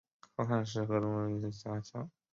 后汉时河中府为牙校。